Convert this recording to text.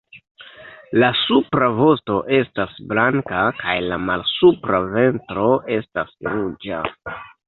La supra vosto estas blanka kaj la malsupra ventro estas ruĝa.